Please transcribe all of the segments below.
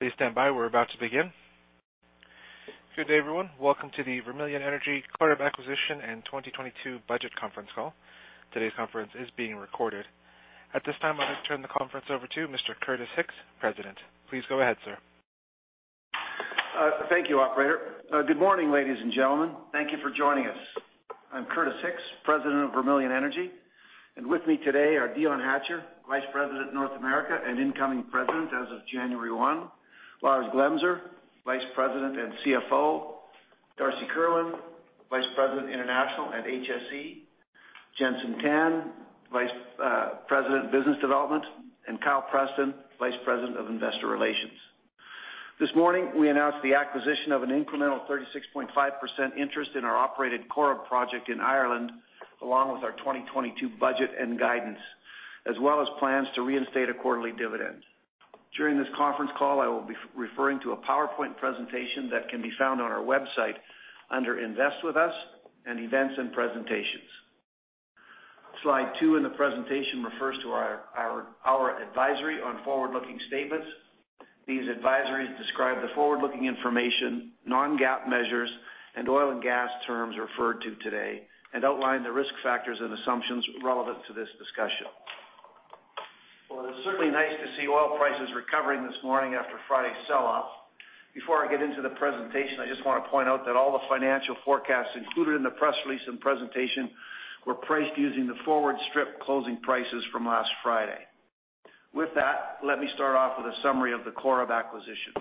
Please stand by. We're about to begin. Good day everyone. Welcome to the Vermilion Energy Corrib Acquisition and 2022 Budget Conference Call. Today's conference is being recorded. At this time, I'd like to turn the conference over to Mr. Curtis Hicks, President. Please go ahead, sir. Thank you operator. Good morning ladies and gentlemen. Thank you for joining us. I'm Curtis Hicks, President of Vermilion Energy, and with me today are Dion Hatcher, Vice President, North America, and incoming President as of January 1, Lars Glemser, Vice President and CFO, Darcy Kerwin, Vice President, International and HSE, Jenson Tan, Vice President, Business Development, and Kyle Preston, Vice President of Investor Relations. This morning, we announced the acquisition of an incremental 36.5% interest in our operated Corrib project in Ireland, along with our 2022 budget and guidance, as well as plans to reinstate a quarterly dividend. During this conference call, I will be referring to a PowerPoint presentation that can be found on our website under Invest With Us and Events and Presentations. Slide 2 in the presentation refers to our advisory on forward-looking statements. These advisories describe the forward-looking information, non-GAAP measures, and oil and gas terms referred to today and outline the risk factors and assumptions relevant to this discussion. Well, it's certainly nice to see oil prices recovering this morning after Friday's sell-off. Before I get into the presentation, I just wanna point out that all the financial forecasts included in the press release and presentation were priced using the forward strip closing prices from last Friday. With that, let me start off with a summary of the Corrib acquisition.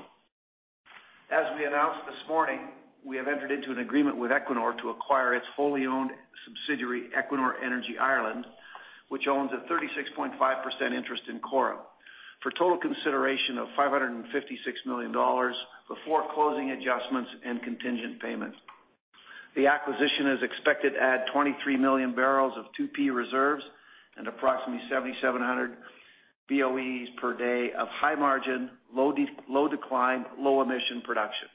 As we announced this morning, we have entered into an agreement with Equinor to acquire its fully owned subsidiary, Equinor Energy Ireland, which owns a 36.5% interest in Corrib, for total consideration of $556 million before closing adjustments and contingent payments. The acquisition is expected at 23 million barrels of 2P reserves and approximately 7,700 BOE per day of high margin, low decline, low emission production.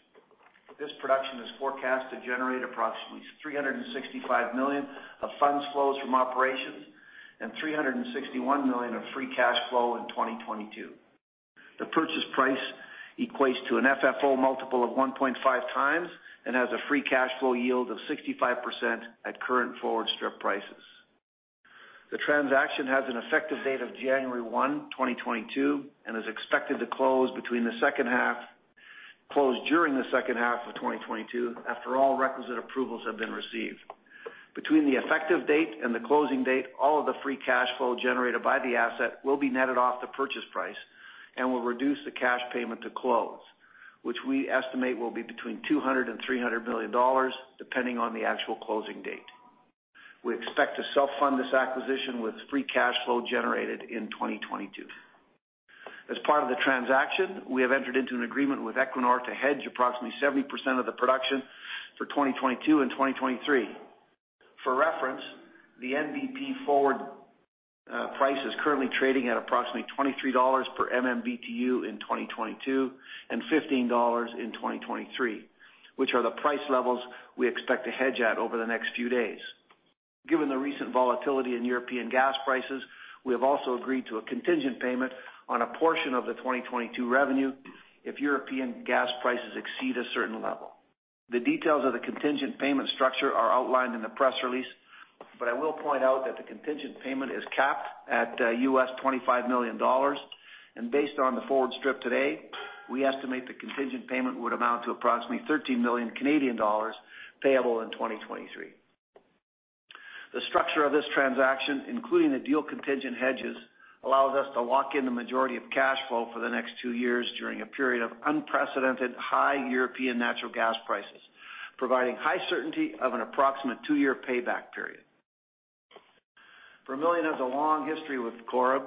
This production is forecast to generate approximately 365 million of funds flows from operations and 361 million of free cash flow in 2022. The purchase price equates to an FFO multiple of 1.5x and has a free cash flow yield of 65% at current forward strip prices. The transaction has an effective date of January 1st, 2022, and is expected to close during the second half of 2022 after all requisite approvals have been received. Between the effective date and the closing date, all of the free cash flow generated by the asset will be netted off the purchase price and will reduce the cash payment to close, which we estimate will be between $200 million and $300 million, depending on the actual closing date. We expect to self-fund this acquisition with free cash flow generated in 2022. As part of the transaction, we have entered into an agreement with Equinor to hedge approximately 70% of the production for 2022 and 2023. For reference, the NBP forward price is currently trading at approximately $23 per MMBtu in 2022 and $15 in 2023, which are the price levels we expect to hedge at over the next few days. Given the recent volatility in European gas prices, we have also agreed to a contingent payment on a portion of the 2022 revenue if European gas prices exceed a certain level. The details of the contingent payment structure are outlined in the press release, but I will point out that the contingent payment is capped at $25 million, and based on the forward strip today, we estimate the contingent payment would amount to approximately 13 million Canadian dollars payable in 2023. The structure of this transaction, including the deal contingent hedges, allows us to lock in the majority of cash flow for the next two years during a period of unprecedented high European natural gas prices, providing high certainty of an approximate two-year payback period. Vermilion has a long history with Corrib.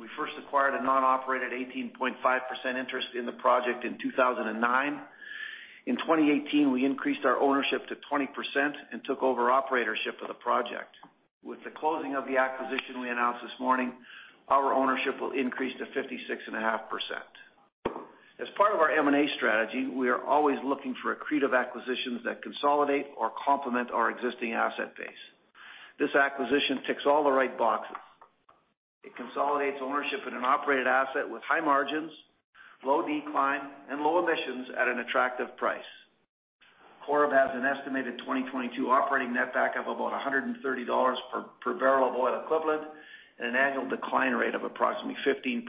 We first acquired a non-operated 18.5% interest in the project in 2009. In 2018, we increased our ownership to 20% and took over operatorship of the project. With the closing of the acquisition we announced this morning, our ownership will increase to 56.5%. As part of our M&A strategy, we are always looking for accretive acquisitions that consolidate or complement our existing asset base. This acquisition ticks all the right boxes. It consolidates ownership in an operated asset with high margins, low decline, and low emissions at an attractive price. Corrib has an estimated 2022 operating netback of about $130 per barrel of oil equivalent and an annual decline rate of approximately 15%,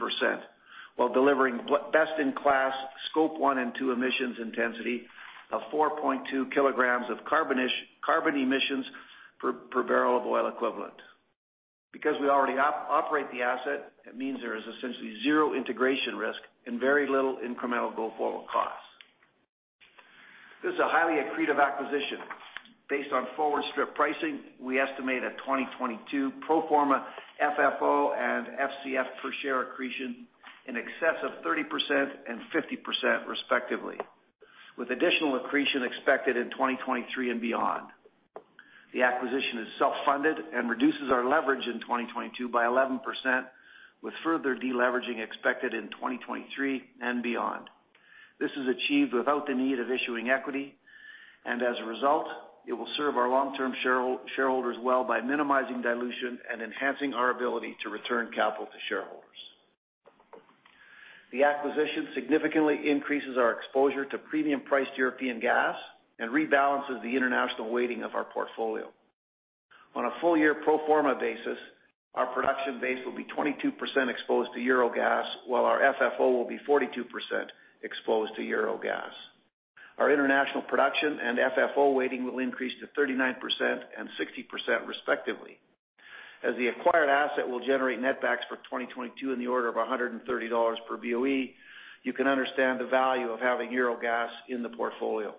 while delivering best in class Scope 1 and 2 emissions intensity of 4.2 kilograms of carbon emissions per barrel of oil equivalent. Because we already operate the asset, it means there is essentially zero integration risk and very little incremental go-forward costs. This is a highly accretive acquisition. Based on forward strip pricing, we estimate a 2022 pro forma FFO and FCF per share accretion in excess of 30% and 50%, respectively, with additional accretion expected in 2023 and beyond. The acquisition is self-funded and reduces our leverage in 2022 by 11%, with further deleveraging expected in 2023 and beyond. This is achieved without the need of issuing equity. As a result, it will serve our long-term shareholders well by minimizing dilution and enhancing our ability to return capital to shareholders. The acquisition significantly increases our exposure to premium-priced European gas and rebalances the international weighting of our portfolio. On a full-year pro forma basis, our production base will be 22% exposed to euro gas, while our FFO will be 42% exposed to euro gas. Our international production and FFO weighting will increase to 39% and 60% respectively. As the acquired asset will generate netbacks for 2022 in the order of $130 per BOE, you can understand the value of having euro gas in the portfolio.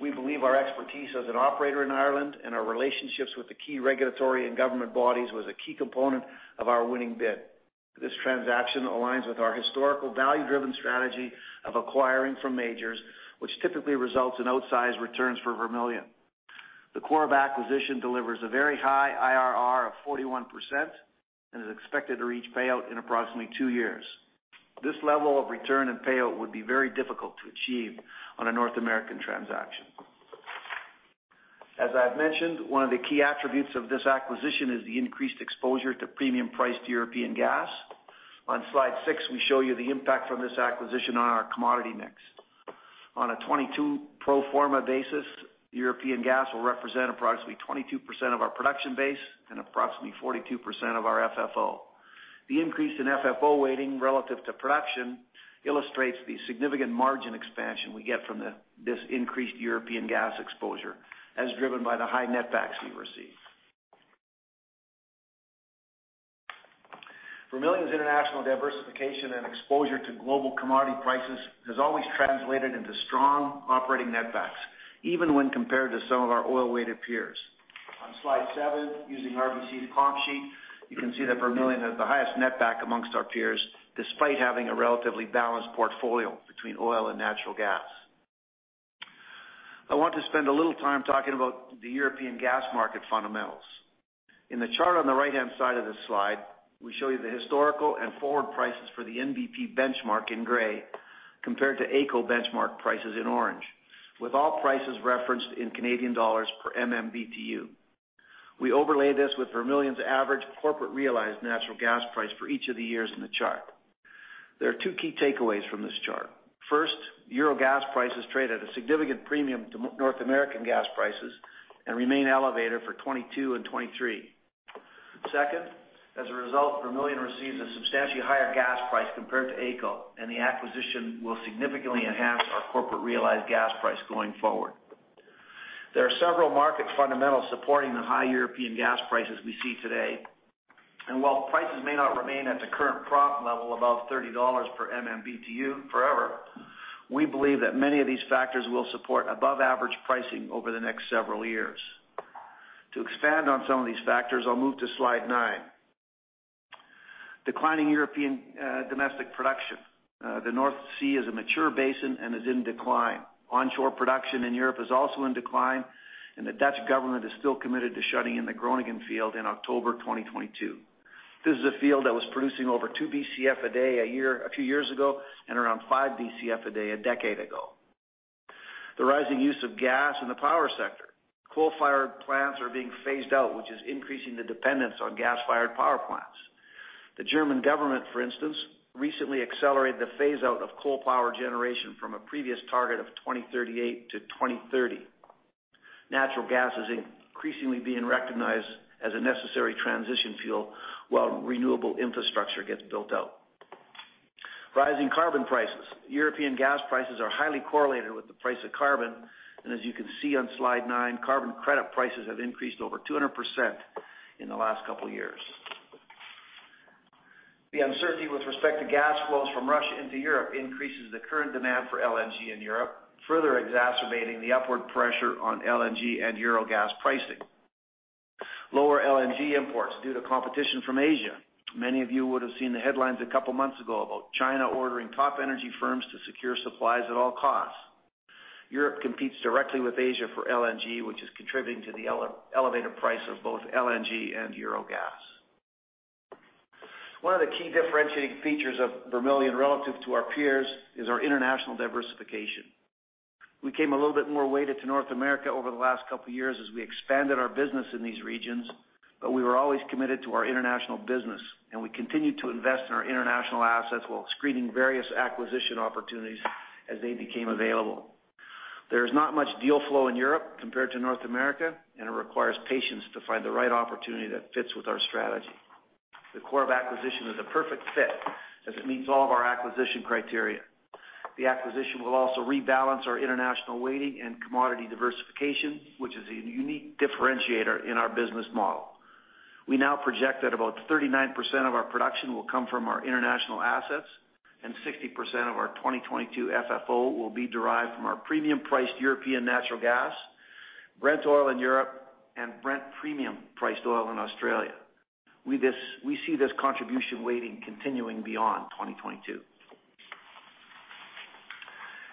We believe our expertise as an operator in Ireland and our relationships with the key regulatory and government bodies was a key component of our winning bid. This transaction aligns with our historical value-driven strategy of acquiring from majors, which typically results in outsized returns for Vermilion. The Corrib acquisition delivers a very high IRR of 41% and is expected to reach payout in approximately two years. This level of return and payout would be very difficult to achieve on a North American transaction. As I've mentioned, one of the key attributes of this acquisition is the increased exposure to premium-priced European gas. On slide six, we show you the impact from this acquisition on our commodity mix. On a 2022 pro forma basis, European gas will represent approximately 22% of our production base and approximately 42% of our FFO. The increase in FFO weighting relative to production illustrates the significant margin expansion we get from this increased European gas exposure, as driven by the high netbacks we receive. Vermilion's international diversification and exposure to global commodity prices has always translated into strong operating netbacks, even when compared to some of our oil-weighted peers. On slide 7, using RBC's comp sheet, you can see that Vermilion has the highest netback among our peers, despite having a relatively balanced portfolio between oil and natural gas. I want to spend a little time talking about the European gas market fundamentals. In the chart on the right-hand side of this slide, we show you the historical and forward prices for the NBP benchmark in gray compared to AECO benchmark prices in orange, with all prices referenced in Canadian dollars per MMBtu. We overlay this with Vermilion's average corporate realized natural gas price for each of the years in the chart. There are 2 key takeaways from this chart. First, euro gas prices trade at a significant premium to North American gas prices and remain elevated for 2022 and 2023. Second, as a result, Vermilion receives a substantially higher gas price compared to AECO, and the acquisition will significantly enhance our corporate realized gas price going forward. There are several market fundamentals supporting the high European gas prices we see today. While prices may not remain at the current prompt level above $30 per MMBtu forever, we believe that many of these factors will support above average pricing over the next several years. To expand on some of these factors, I'll move to slide 9. Declining European domestic production. The North Sea is a mature basin and is in decline. Onshore production in Europe is also in decline, and the Dutch government is still committed to shutting in the Groningen field in October 2022. This is a field that was producing over 2 Bcf a day a few years ago and around 5 Bcf a day a decade ago. The rising use of gas in the power sector. Coal-fired plants are being phased out, which is increasing the dependence on gas-fired power plants. The German government, for instance, recently accelerated the phase-out of coal power generation from a previous target of 2038 to 2030. Natural gas is increasingly being recognized as a necessary transition fuel while renewable infrastructure gets built out. Rising carbon prices. European gas prices are highly correlated with the price of carbon, and as you can see on slide 9, carbon credit prices have increased over 200% in the last couple years. The uncertainty with respect to gas flows from Russia into Europe increases the current demand for LNG in Europe, further exacerbating the upward pressure on LNG and euro gas pricing. Lower LNG imports due to competition from Asia. Many of you would have seen the headlines a couple months ago about China ordering top energy firms to secure supplies at all costs. Europe competes directly with Asia for LNG, which is contributing to the elevated price of both LNG and euro gas. One of the key differentiating features of Vermilion relative to our peers is our international diversification. We came a little bit more weighted to North America over the last couple years as we expanded our business in these regions, but we were always committed to our international business, and we continued to invest in our international assets while screening various acquisition opportunities as they became available. There is not much deal flow in Europe compared to North America, and it requires patience to find the right opportunity that fits with our strategy. The Corrib acquisition is a perfect fit as it meets all of our acquisition criteria. The acquisition will also rebalance our international weighting and commodity diversification, which is a unique differentiator in our business model. We now project that about 39% of our production will come from our international assets, and 60% of our 2022 FFO will be derived from our premium-priced European natural gas, Brent oil in Europe, and Brent premium-priced oil in Australia. We see this contribution weighting continuing beyond 2022.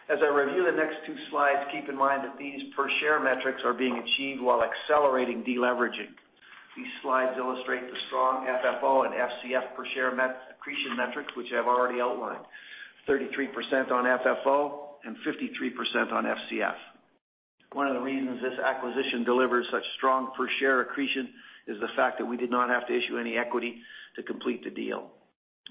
As I review the next 2 slides, keep in mind that these per share metrics are being achieved while accelerating deleveraging. These slides illustrate the strong FFO and FCF per share accretion metrics, which I've already outlined. 33% on FFO and 53% on FCF. One of the reasons this acquisition delivers such strong per share accretion is the fact that we did not have to issue any equity to complete the deal.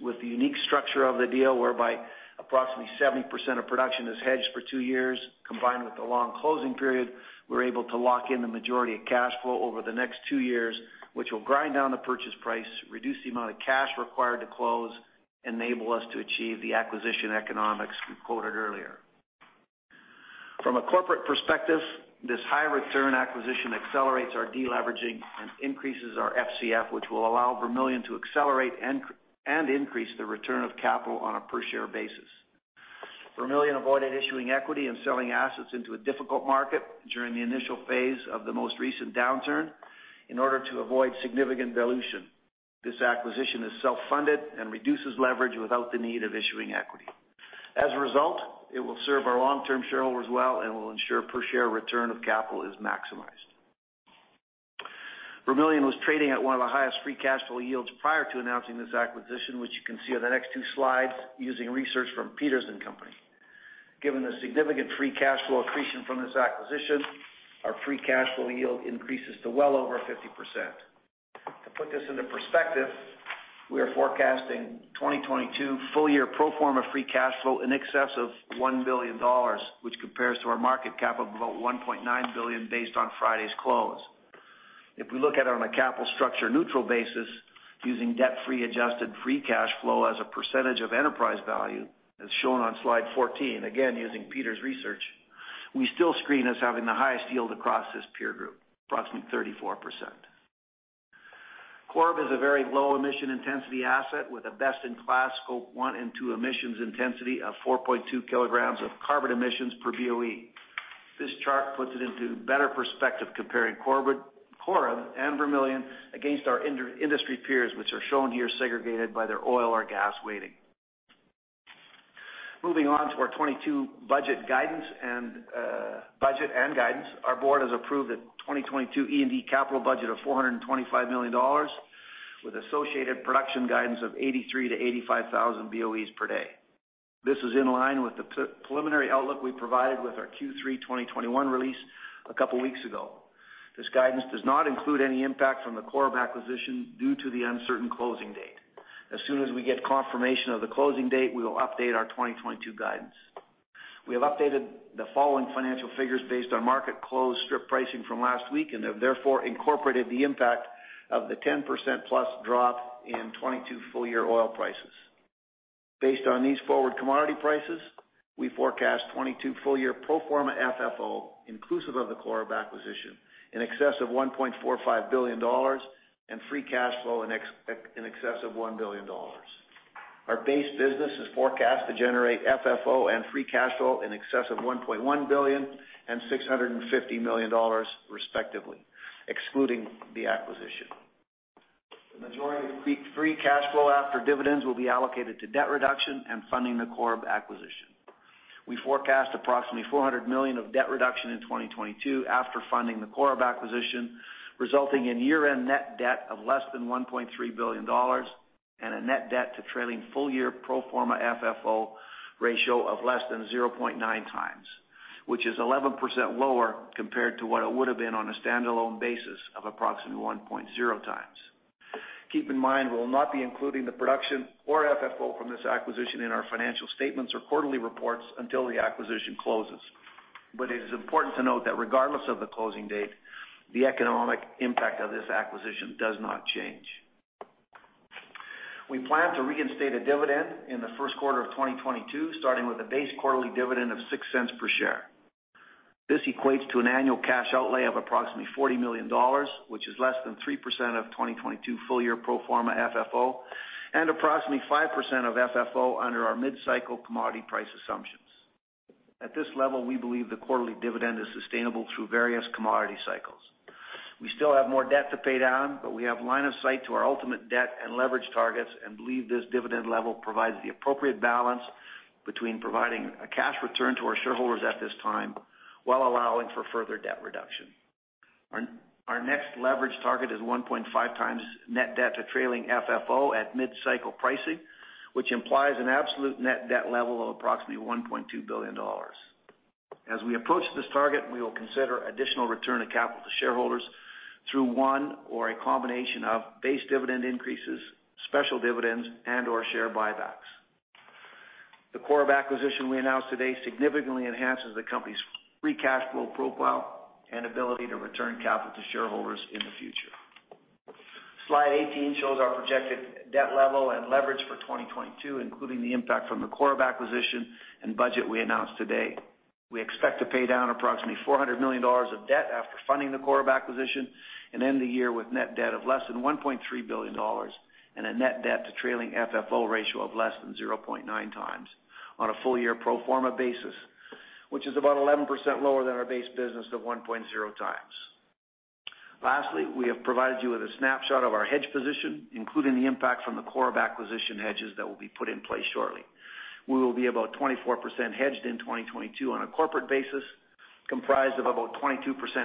With the unique structure of the deal, whereby approximately 70% of production is hedged for 2 years, combined with the long closing period, we're able to lock in the majority of cash flow over the next 2 years, which will grind down the purchase price, reduce the amount of cash required to close, enable us to achieve the acquisition economics we quoted earlier. From a corporate perspective, this high return acquisition accelerates our deleveraging and increases our FCF, which will allow Vermilion to accelerate and increase the return of capital on a per share basis. Vermilion avoided issuing equity and selling assets into a difficult market during the initial phase of the most recent downturn in order to avoid significant dilution. This acquisition is self-funded and reduces leverage without the need of issuing equity. As a result, it will serve our long-term shareholders well and will ensure per share return of capital is maximized. Vermilion was trading at one of the highest free cash flow yields prior to announcing this acquisition, which you can see on the next two slides using research from Peters & Co. Given the significant free cash flow accretion from this acquisition, our free cash flow yield increases to well over 50%. To put this into perspective, we are forecasting 2022 full year pro forma free cash flow in excess of 1 billion dollars, which compares to our market cap of about 1.9 billion based on Friday's close. If we look at it on a capital structure neutral basis, using debt-free adjusted free cash flow as a percentage of enterprise value, as shown on slide 14, again using Peters & Co. research, we still screen as having the highest yield across this peer group, approximately 34%. Corrib is a very low emission intensity asset with a best in class Scope 1 and 2 emissions intensity of 4.2 kilograms of carbon emissions per BOE. This chart puts it into better perspective comparing Corrib and Vermilion against our industry peers, which are shown here segregated by their oil or gas weighting. Moving on to our 2022 budget guidance and budget and guidance. Our board has approved a 2022 E&D capital budget of 425 million dollars with associated production guidance of 83,000-85,000 BOE per day. This is in line with the preliminary outlook we provided with our Q3 2021 release a couple weeks ago. This guidance does not include any impact from the Corrib acquisition due to the uncertain closing date. As soon as we get confirmation of the closing date, we will update our 2022 guidance. We have updated the following financial figures based on market close strip pricing from last week and have therefore incorporated the impact of the 10%+ drop in 2022 full year oil prices. Based on these forward commodity prices, we forecast 2022 full year pro forma FFO inclusive of the Corrib acquisition in excess of 1.45 billion dollars and free cash flow in excess of 1 billion dollars. Our base business is forecast to generate FFO and free cash flow in excess of 1.1 billion and 650 million dollars respectively, excluding the acquisition. The majority of free cash flow after dividends will be allocated to debt reduction and funding the Corrib acquisition. We forecast approximately 400 million of debt reduction in 2022 after funding the Corrib acquisition, resulting in year-end net debt of less than 1.3 billion dollars and a net debt to trailing full-year pro forma FFO ratio of less than 0.9 times, which is 11% lower compared to what it would have been on a standalone basis of approximately 1.0x. Keep in mind, we'll not be including the production or FFO from this acquisition in our financial statements or quarterly reports until the acquisition closes. It is important to note that regardless of the closing date, the economic impact of this acquisition does not change. We plan to reinstate a dividend in the first quarter of 2022, starting with a base quarterly dividend of 0.06 per share. This equates to an annual cash outlay of approximately 40 million dollars, which is less than 3% of 2022 full year pro forma FFO and approximately 5% of FFO under our mid-cycle commodity price assumptions. At this level, we believe the quarterly dividend is sustainable through various commodity cycles. We still have more debt to pay down, but we have line of sight to our ultimate debt and leverage targets and believe this dividend level provides the appropriate balance between providing a cash return to our shareholders at this time while allowing for further debt reduction. Our next leverage target is 1.5x net debt to trailing FFO at mid-cycle pricing, which implies an absolute net debt level of approximately 1.2 billion dollars. As we approach this target, we will consider additional return of capital to shareholders through one or a combination of base dividend increases, special dividends, and/or share buybacks. The Corrib acquisition we announced today significantly enhances the company's free cash flow profile and ability to return capital to shareholders in the future. Slide 18 shows our projected debt level and leverage for 2022, including the impact from the Corrib acquisition and budget we announced today. We expect to pay down approximately 400 million dollars of debt after funding the Corrib acquisition and end the year with net debt of less than 1.3 billion dollars and a net debt to trailing FFO ratio of less than 0.9 times on a full-year pro forma basis, which is about 11% lower than our base business of 1.0 times. Lastly, we have provided you with a snapshot of our hedge position, including the impact from the Corrib acquisition hedges that will be put in place shortly. We will be about 24% hedged in 2022 on a corporate basis, comprised of about 22%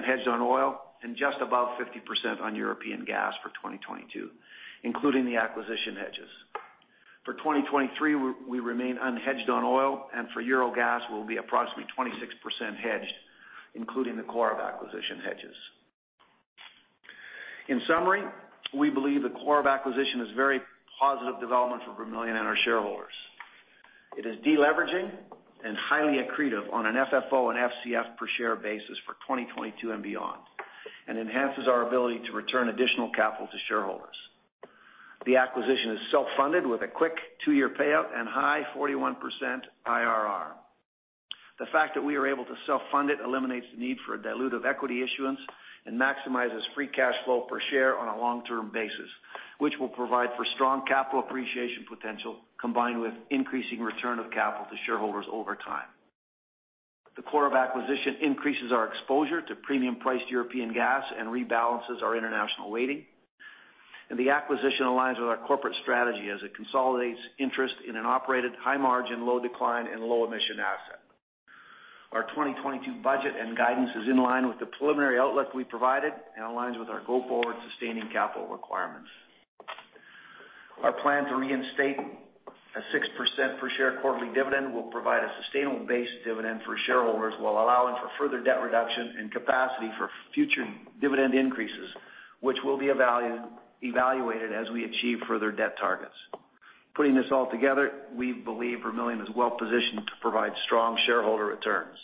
hedged on oil and just about 50% on European gas for 2022, including the acquisition hedges. For 2023, we remain unhedged on oil, and for Euro gas, we'll be approximately 26% hedged, including the Corrib acquisition hedges. In summary, we believe the Corrib acquisition is very positive development for Vermilion and our shareholders. It is de-leveraging and highly accretive on an FFO and FCF per share basis for 2022 and beyond, and enhances our ability to return additional capital to shareholders. The acquisition is self-funded with a quick 2-year payout and high 41% IRR. The fact that we are able to self-fund it eliminates the need for a dilutive equity issuance and maximizes free cash flow per share on a long-term basis, which will provide for strong capital appreciation potential combined with increasing return of capital to shareholders over time. The Corrib acquisition increases our exposure to premium priced European gas and rebalances our international weighting. The acquisition aligns with our corporate strategy as it consolidates interest in an operated high margin, low decline and low emission asset. Our 2022 budget and guidance is in line with the preliminary outlook we provided and aligns with our go forward sustaining capital requirements. Our plan to reinstate a 6% per share quarterly dividend will provide a sustainable base dividend for shareholders while allowing for further debt reduction and capacity for future dividend increases, which will be evaluated as we achieve further debt targets. Putting this all together, we believe Vermilion is well positioned to provide strong shareholder returns.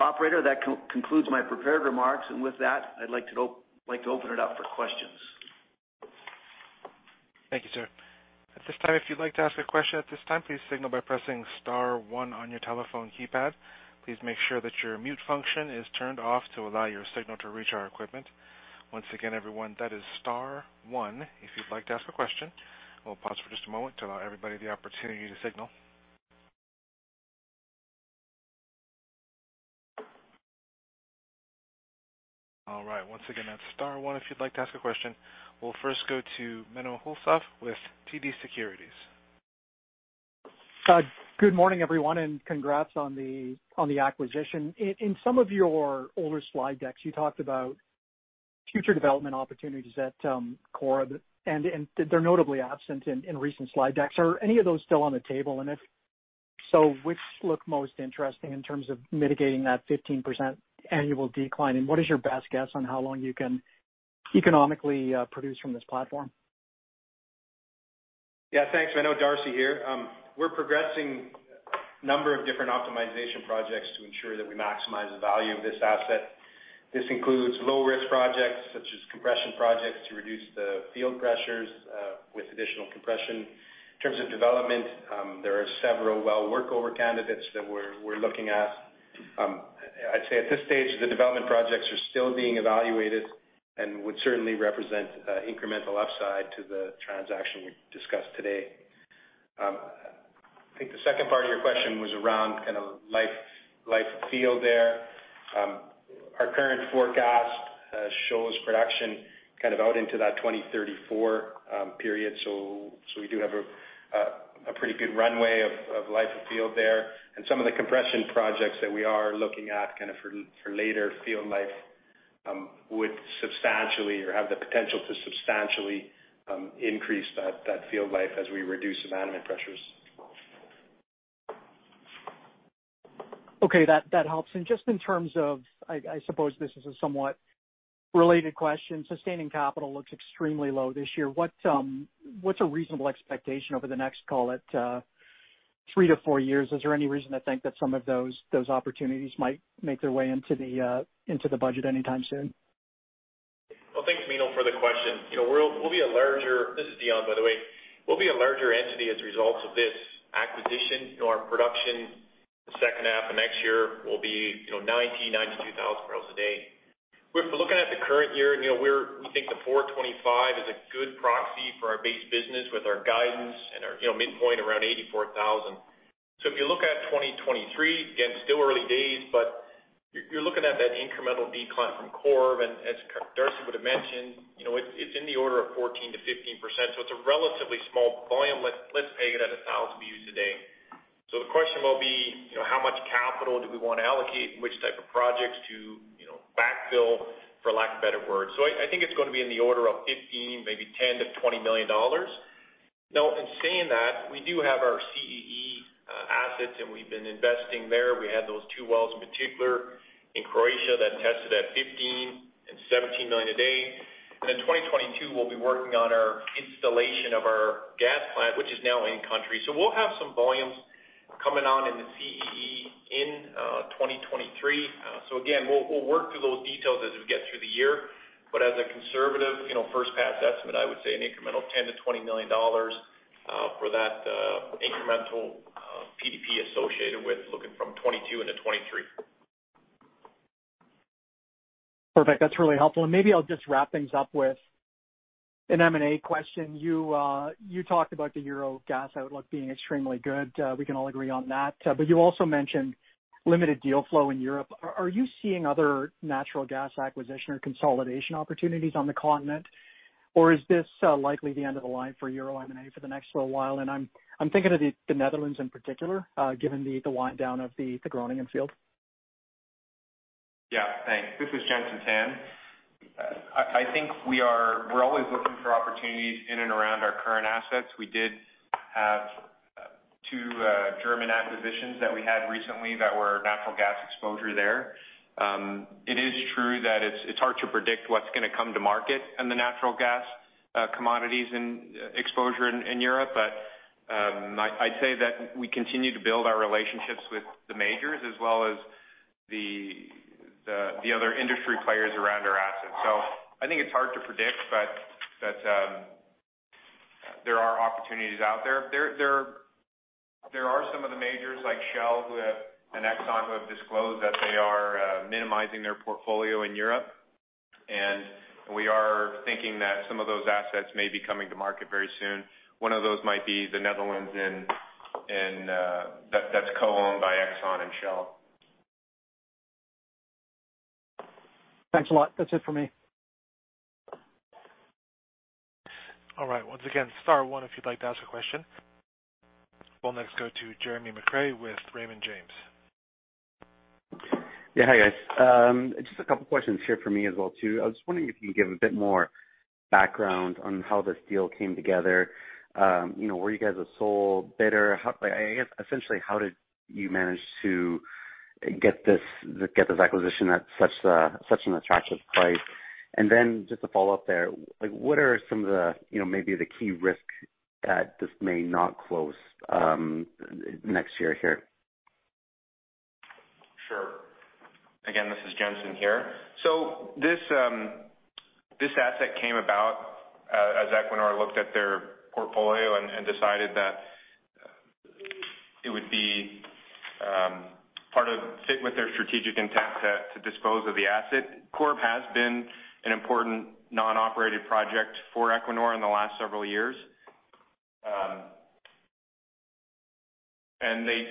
Operator, that concludes my prepared remarks. With that, I'd like to open it up for questions. Thank you sir. At this time, if you'd like to ask a question at this time, please signal by pressing star one on your telephone keypad. Please make sure that your mute function is turned off to allow your signal to reach our equipment. Once again, everyone, that is star one, if you'd like to ask a question. We'll pause for just a moment to allow everybody the opportunity to signal. All right. Once again, that's star one if you'd like to ask a question. We'll first go to Menno Hulshof with TD Securities. Good morning everyone and congrats on the acquisition. In some of your older slide decks, you talked about future development opportunities at Corrib, and they're notably absent in recent slide decks. Are any of those still on the table? And if so, which look most interesting in terms of mitigating that 15% annual decline? And what is your best guess on how long you can economically produce from this platform? Yeah. Thanks Menno. Darcy here. We're progressing a number of different optimization projects to ensure that we maximize the value of this asset. This includes low risk projects such as compression projects to reduce the field pressures with additional compression. In terms of development, there are several well workover candidates that we're looking at. I'd say at this stage, the development projects are still being evaluated and would certainly represent incremental upside to the transaction we discussed today. I think the second part of your question was around kind of life of field there. Our current forecast shows production kind of out into that 2034 period. So we do have a pretty good runway of life of field there. Some of the compression projects that we are looking at kind of for later field life would substantially or have the potential to substantially increase that field life as we reduce abandonment pressures. Okay. That helps. Just in terms of, I suppose this is a somewhat related question. Sustaining capital looks extremely low this year. What's a reasonable expectation over the next, call it, three to four years? Is there any reason to think that some of those opportunities might make their way into the budget anytime soon? Well, thanks Menno, for the question. You know, we'll be a larger entity as a result of this acquisition. This is Dion, by the way. You know, our production the second half of next year will be, you know, 92,000 barrels a day. We're looking at the current year, and you know, we think the 425 is a good proxy for our base business with our guidance and our, you know, midpoint around 84,000. If you look at 2023, again, still early days, but you're looking at that incremental decline from Corrib. As Darcy would have mentioned, you know, it's in the order of 14%-15%, so it's a relatively small volume. Let's peg it at 1,000 BOEs a day. The question will be, you know, how much capital do we wanna allocate and which type of projects to, you know, backfill, for lack of a better word. I think it's gonna be in the order of 15 million, maybe 10 million-20 million dollars. Now, in saying that, we do have our CEE assets, and we've been investing there. We had those two wells in particular in Croatia that tested at 15 and 17 million a day. In 2022, we'll be working on our installation of our gas plant, which is now in country. We'll have some volumes coming on in the CEE in 2023. Again, we'll work through those details as we get through the year. As a conservative, you know, first pass estimate, I would say an incremental 10 million-20 million dollars for that incremental PDP associated with looking from 2022 into 2023. Perfect. That's really helpful. Maybe I'll just wrap things up with an M&A question. You talked about the euro gas outlook being extremely good. We can all agree on that. You also mentioned limited deal flow in Europe. Are you seeing other natural gas acquisition or consolidation opportunities on the continent? Or is this likely the end of the line for euro M&A for the next little while? I'm thinking of the Netherlands in particular, given the wind down of the Groningen field. Yeah. Thanks. This is Jenson Tan. I think we're always looking for opportunities in and around our current assets. We did have two German acquisitions that we had recently that were natural gas exposure there. It is true that it's hard to predict what's gonna come to market in the natural gas commodities and exposure in Europe. I'd say that we continue to build our relationships with the majors as well as the other industry players around our assets. I think it's hard to predict, but there are opportunities out there. There are some of the majors like Shell and Exxon, who have disclosed that they are minimizing their portfolio in Europe. We are thinking that some of those assets may be coming to market very soon. One of those might be in the Netherlands. That's co-owned by Exxon and Shell. Thanks a lot. That's it for me. All right. Once again, star one if you'd like to ask a question. We'll next go to Jeremy McCrea with Raymond James. Yeah. Hi, guys. Just a couple questions here from me as well too. I was wondering if you can give a bit more background on how this deal came together. You know, were you guys a sole bidder? I guess essentially, how did you manage to get this acquisition at such an attractive price? And then just to follow up there, like, what are some of the, you know, maybe the key risks that this may not close next year here? Sure. Again, this is Jenson here. This asset came about as Equinor looked at their portfolio and decided that it would fit with their strategic intent to dispose of the asset. Corrib has been an important non-operated project for Equinor in the last several years.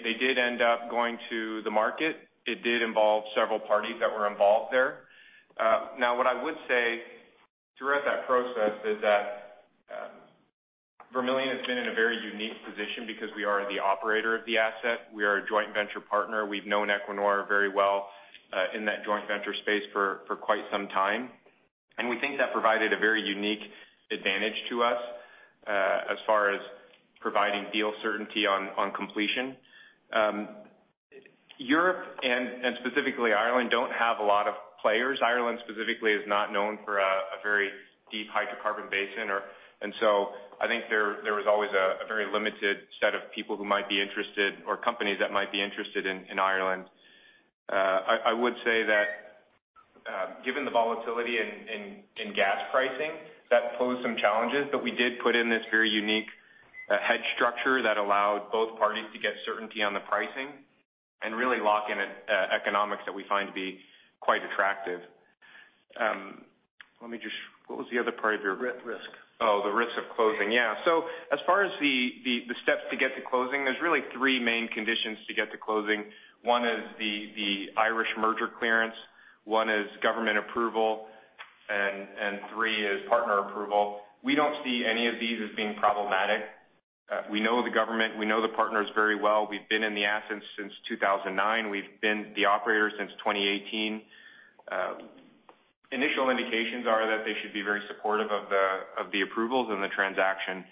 They did end up going to the market. It did involve several parties that were involved there. Now what I would say throughout that process is that Vermilion has been in a very unique position because we are the operator of the asset. We are a joint venture partner. We've known Equinor very well in that joint venture space for quite some time. We think that provided a very unique advantage to us as far as providing deal certainty on completion. Europe and specifically Ireland don't have a lot of players. Ireland specifically is not known for a very deep hydrocarbon basin, and so I think there was always a very limited set of people who might be interested or companies that might be interested in Ireland. I would say that given the volatility in gas pricing, that posed some challenges, but we did put in this very unique hedge structure that allowed both parties to get certainty on the pricing and really lock in economics that we find to be quite attractive. Let me just. What was the other part of your- Risk. The risks of closing. Yeah. As far as the steps to get to closing, there's really three main conditions to get to closing. One is the Irish merger clearance, one is government approval, and three is partner approval. We don't see any of these as being problematic. We know the government, we know the partners very well. We've been in the assets since 2009. We've been the operator since 2018. Initial indications are that they should be very supportive of the approvals and the transaction.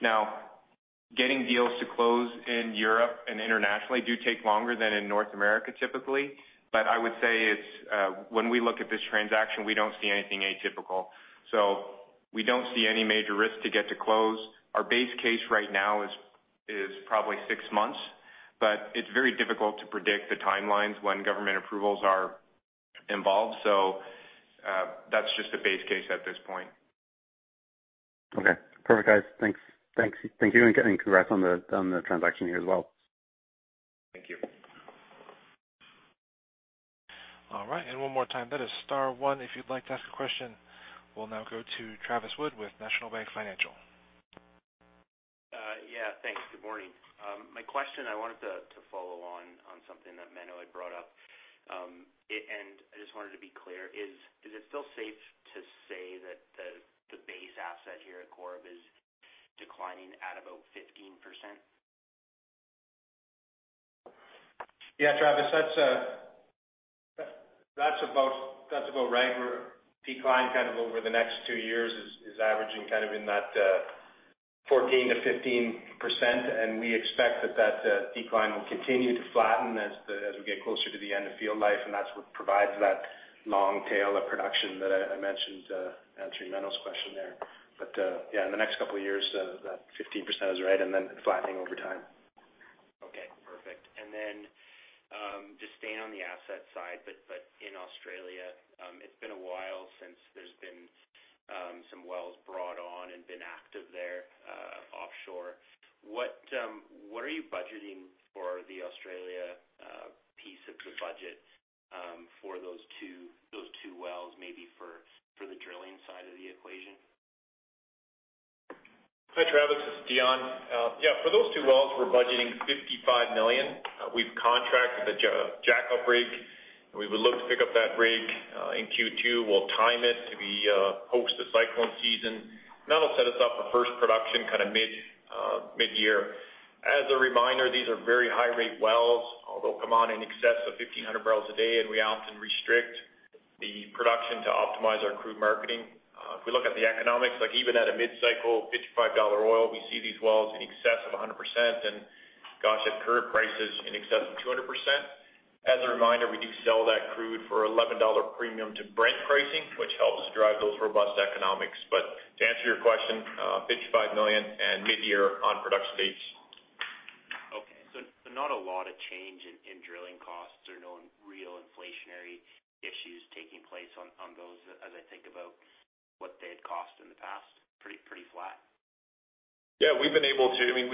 Now, getting deals to close in Europe and internationally do take longer than in North America typically. I would say it's when we look at this transaction, we don't see anything atypical. We don't see any major risk to get to close. Our base case right now is probably six months, but it's very difficult to predict the timelines when government approvals are involved. That's just a base case at this point. Okay. Perfect, guys. Thanks. Thank you. Congrats on the transaction here as well. Thank you. All right. One more time, that is star one if you'd like to ask a question. We'll now go to Travis Wood with National Bank Financial. Yeah. Thanks. Good morning. My question, I wanted to follow on something that Menno Hulshof had brought up. I just wanted to be clear. Is it still safe to say that the base asset here at Corrib is declining at about 15%? Yeah, Travis, that's about right. The decline over the next two years is averaging kind of in that 14%-15%, and we expect that decline will continue to flatten as we get closer to the end of field life, and that's what provides that long tail of production that I mentioned answering Menno's question there. But yeah, in the next couple of years, that 15% is right, and then flattening over time. Okay. Perfect. Just staying on the asset side, but in Australia, it's been a while since there's been some wells brought on. Sure. What are you budgeting for the Australia piece of the budget for those two wells, maybe for the drilling side of the equation? Hi, Travis, it's Dion. Yeah, for those two wells, we're budgeting 55 million. We've contracted the jackup rig, and we would look to pick up that rig in Q2. We'll time it to be post the cyclone season. That'll set us up for first production kind of mid-year. As a reminder, these are very high-rate wells. They'll come on in excess of 1,500 barrels a day, and we often restrict the production to optimize our crude marketing. If we look at the economics, like even at a mid-cycle $55 oil, we see these wells in excess of 100%. Gosh, at current prices, in excess of 200%. As a reminder, we do sell that crude for $11 premium to Brent pricing, which helps drive those robust economics. To answer your question, 55 million and mid-year on production dates. Okay. Not a lot of change in drilling costs or no real inflationary issues taking place on those as I think about what they had cost in the past. Pretty flat. Yeah, we've been able to. I mean,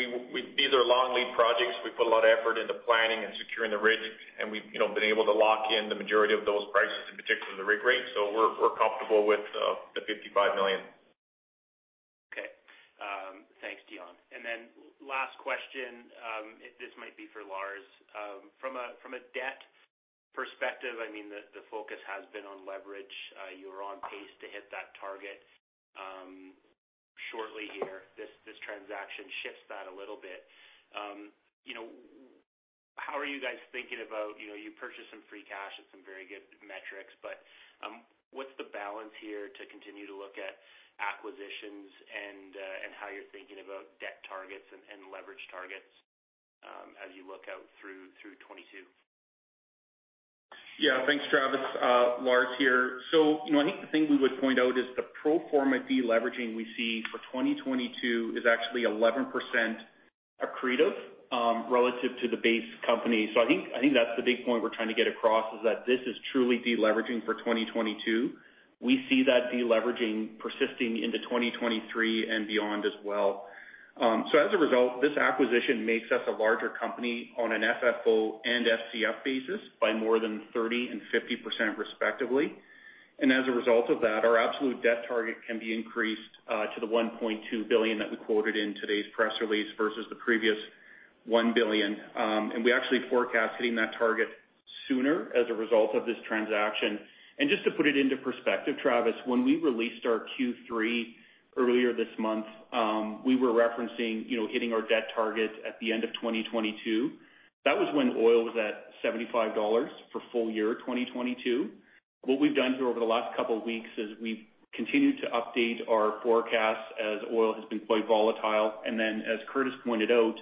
these are long lead projects. We put a lot of effort into planning and securing the rigs, and we've, you know, been able to lock in the majority of those prices, in particular the rig rates. We're comfortable with 55 million. Okay. Thanks Dion. Last question, this might be for Lars. From a debt perspective, I mean, the focus has been on leverage. You're on pace to hit that target shortly here. This transaction shifts that a little bit. You know, how are you guys thinking about, you know, you purchased some free cash at some very good metrics, but, what's the balance here to continue to look at acquisitions and how you're thinking about debt targets and leverage targets, as you look out through 2022? Yeah. Thanks Travis. Lars here. You know, I think the thing we would point out is the pro forma deleveraging we see for 2022 is actually 11% accretive, relative to the base company. I think that's the big point we're trying to get across, is that this is truly deleveraging for 2022. We see that deleveraging persisting into 2023 and beyond as well. As a result, this acquisition makes us a larger company on an FFO and FCF basis by more than 30% and 50% respectively. As a result of that, our absolute debt target can be increased to the 1.2 billion that we quoted in today's press release versus the previous 1 billion. We actually forecast hitting that target sooner as a result of this transaction. Just to put it into perspective, Travis, when we released our Q3 earlier this month, we were referencing hitting our debt target at the end of 2022. That was when oil was at $75 for full year 2022. What we've done here over the last couple weeks is we've continued to update our forecast as oil has been quite volatile. Then as Curtis pointed out,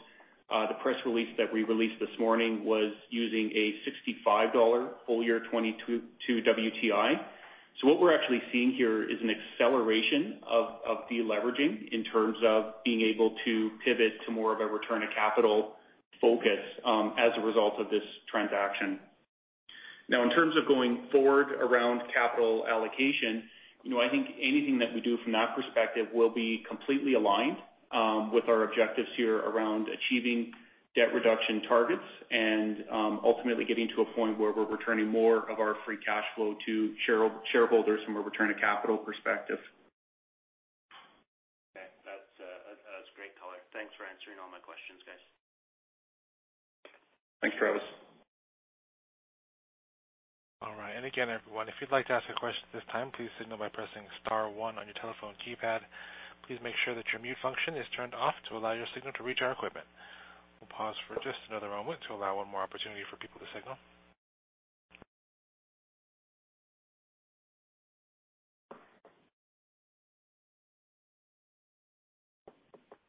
the press release that we released this morning was using a $65 full year 2022 WTI. What we're actually seeing here is an acceleration of deleveraging in terms of being able to pivot to more of a return on capital focus as a result of this transaction. Now, in terms of going forward around capital allocation, you know, I think anything that we do from that perspective will be completely aligned, with our objectives here around achieving debt reduction targets and, ultimately getting to a point where we're returning more of our free cash flow to shareholders from a return on capital perspective. Okay. That's great color. Thanks for answering all my questions, guys. Thanks, Travis. All right. Again, everyone, if you'd like to ask a question at this time, please signal by pressing star one on your telephone keypad. Please make sure that your mute function is turned off to allow your signal to reach our equipment. We'll pause for just another moment to allow one more opportunity for people to signal.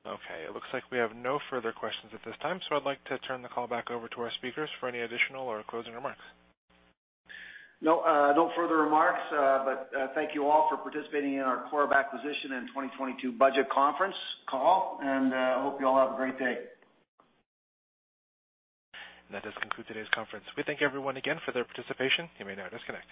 Okay, it looks like we have no further questions at this time, so I'd like to turn the call back over to our speakers for any additional or closing remarks. No further remarks, but thank you all for participating in our Corrib acquisition and 2022 budget conference call. I hope you all have a great day. That does conclude today's conference. We thank everyone again for their participation. You may now disconnect.